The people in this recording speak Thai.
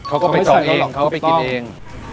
เขาไปจองเองออกต้อง